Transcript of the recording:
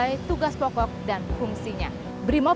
keutuhan bangsa ada di tangan kita